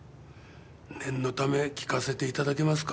念のため聞かせていただけますか？